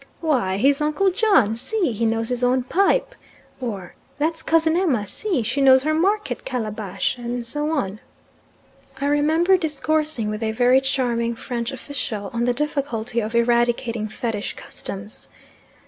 "Why he's Uncle John, see! he knows his own pipe;" or "That's cousin Emma, see! she knows her market calabash," and so on. I remember discoursing with a very charming French official on the difficulty of eradicating fetish customs.